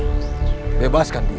selepas apa ambil